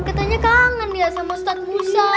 katanya kangen ya sama ustaz musa